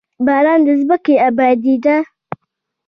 باران د ځمکې ابادي ده.